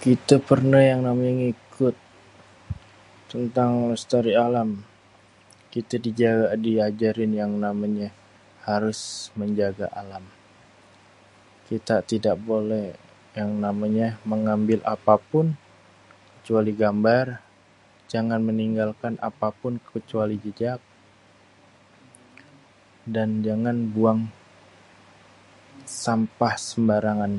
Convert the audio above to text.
Kite perneh yang namenye ngikut tentang lestari alam, kite di ajarin yang namenye, harus menjaga alam, kita tidak boleh yang namenye ngambil apapun kecuali gambar. Jangan meninggal kan apapun kecuali juga, dan jangan buang sampah sembarangan.